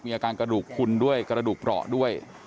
อาการกระดูกคุณด้วยกระดูกเปราะด้วย